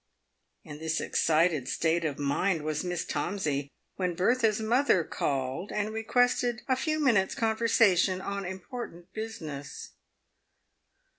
In this excited state of mind was Miss Tomsey when Bertha's mother called and requested a few minutes' conversation on impor tant business.